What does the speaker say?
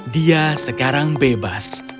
dia sekarang bebas